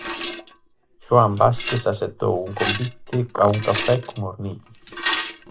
Juan Vázquez aceptou un convite a un café con Hornillos.